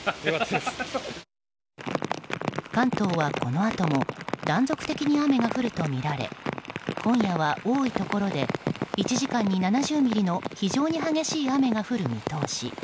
関東はこのあとも断続的に雨が降るとみられ今夜は多いところで１時間に７０ミリの非常に激しい雨が降る見通し。